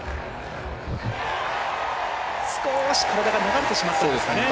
少し体が流れてしまったんですかね。